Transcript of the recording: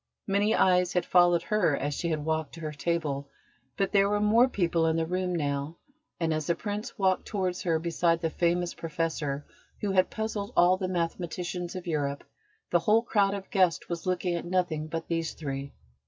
Many eyes had followed her as she had walked to her table, but there were more people in the room now, and as the Prince walked towards her beside the famous Professor who had puzzled all the mathematicians of Europe, the whole crowd of guests was looking at nothing but these three.